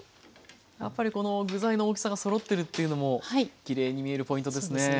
やっぱりこの具材の大きさがそろってるっていうのもきれいに見えるポイントですね。